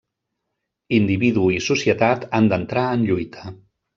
Individu i societat han d'entrar en lluita.